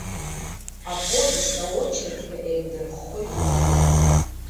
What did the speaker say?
Аповест, аочерк ҳәа еимдырххоит убри.